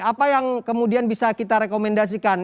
apa yang kemudian bisa kita rekomendasikan